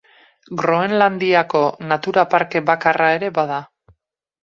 Groenlandiako natura parke bakarra ere bada.